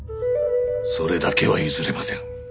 それだけは譲れません。